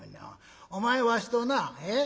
お前わしとなええ？